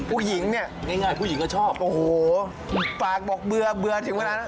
ผู้หญิงนี่โอ้โฮปากบอกเบื่อเบื่อถึงเวลานั้น